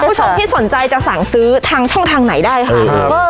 ผู้ชมที่สนใจจะสั่งซื้อทางช่องทางไหนได้ค่ะเออครับ